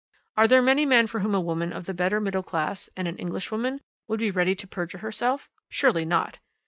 Are there many men for whom a woman of the better middle class, and an Englishwoman, would be ready to perjure herself? Surely not!